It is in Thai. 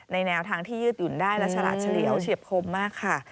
แนวทางที่ยืดหยุ่นได้และฉลาดเฉลียวเฉียบคมมากค่ะ